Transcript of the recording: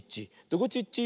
「どこちっち」